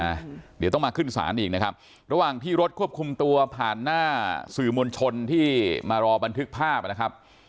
เดี๋ยวต้องมาขึ้นศาลอีกนะครับระหว่างที่รถควบคุมตัวผ่านหน้าสื่อมวลชนที่มารอบันทึกภาพนะครับ